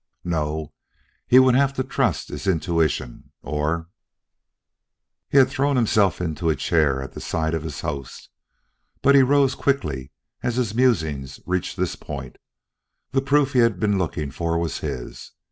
No, he would have to trust his intuition, or He had thrown himself into a chair at the side of his host, but he rose quickly as his musings reached this point. The proof he had been looking for was his.